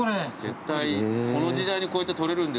絶対この時代にこうやって撮れるんですから。